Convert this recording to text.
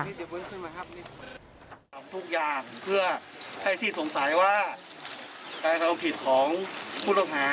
ทำทุกอย่างเพื่อให้สิ้นสงสัยว่าการกระทำผิดของผู้ต้องหา